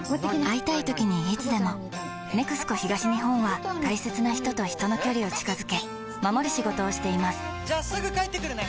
会いたいときにいつでも「ＮＥＸＣＯ東日本」は大切な人と人の距離を近づけ守る仕事をしていますじゃあすぐ帰ってくるね！